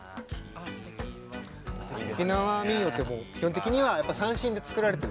沖縄民謡って基本的にはやっぱ三線で作られてるじゃない。